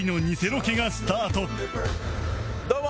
どうも！